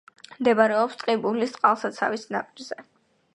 მდებარეობს ტყიბულის წყალსაცავის ნაპირზე.